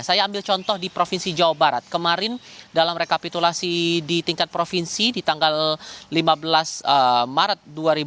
saya ambil contoh di provinsi jawa barat kemarin dalam rekapitulasi di tingkat provinsi di tanggal lima belas maret dua ribu dua puluh